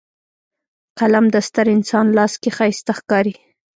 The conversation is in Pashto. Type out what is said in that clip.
قلم د ستر انسان لاس کې ښایسته ښکاري